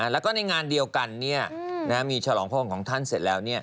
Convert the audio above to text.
แล้วก็ในงานเดียวกันมีฉลองพระองค์ของท่านเสร็จแล้ว